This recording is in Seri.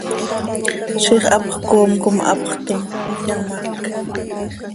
Ziix hapx coom com hapx toom, yamác.